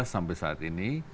sampai saat ini